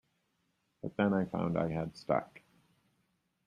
But then I found I had stuck.